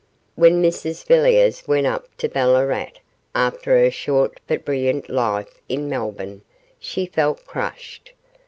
When Mrs Villiers went up to Ballarat after her short but brilliant life in Melbourne she felt crushed.